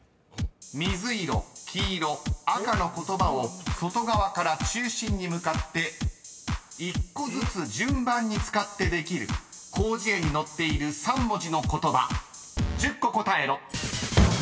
［水色・黄色・赤の言葉を外側から中心に向かって１個ずつ順番に使ってできる広辞苑に載っている３文字の言葉１０個答えろ］